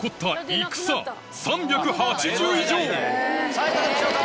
さぁいかがでしょうか？